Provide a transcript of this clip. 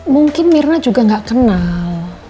mungkin mirna juga nggak kenal